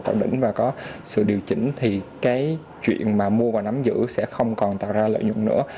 thẩm định và có sự điều chỉnh thì cái chuyện mà mua và nắm giữ sẽ không còn tạo ra lợi nhuận nữa